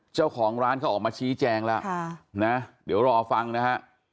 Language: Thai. เจ้าของร้านเขาออกมาชี้แจงแล้วนะเดี๋ยวรอฟังนะฮะ